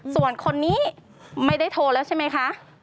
ส่วนคนนี้ไม่ได้โทรแล้วใช่ไหมคะ